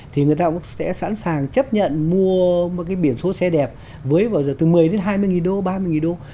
thì người ta cũng sẽ sẵn sàng chấp nhận mua một cái biển số xe đẹp với vào giờ từ một mươi đến hai mươi đô ba mươi đô